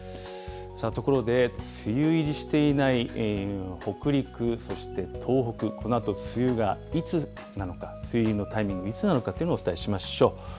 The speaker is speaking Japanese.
ところで、梅雨入りしていない北陸、そして東北、このあと梅雨がいつなのか、梅雨入りのタイミング、いつなのかというのをお伝えしましょう。